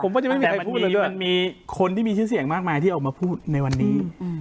ผมก็จะไม่มีใครพูดเลยมันมีคนที่มีชื่อเสียงมากมายที่ออกมาพูดในวันนี้